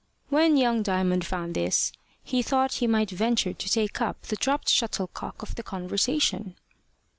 When young Diamond found this, he thought he might venture to take up the dropt shuttlecock of the conversation.